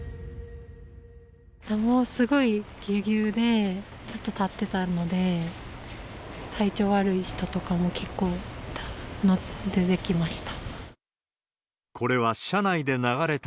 もう、すごいぎゅうぎゅうでずっと立ってたので、体調悪い人とかも結構出てきました。